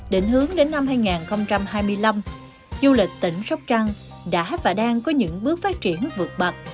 định hướng đến năm hai nghìn hai mươi năm du lịch tỉnh sóc trăng đã và đang có những bước phát triển vượt bậc